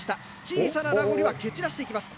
小さなラゴリは蹴散らしていきます。